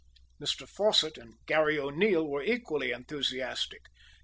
Mr Fosset and Garry O'Neil were equally enthusiastic.